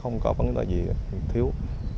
không có vấn đề gì thiếu